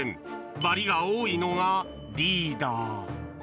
バリが多いのがリーダー。